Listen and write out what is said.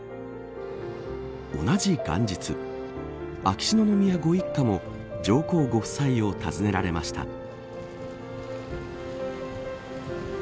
同じ元日秋篠宮ご一家も上皇ご夫妻を訪ねられました。